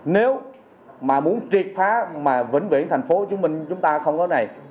nếu mà muốn triệt phá mà vĩnh viễn thành phố hồ chí minh chúng ta không có này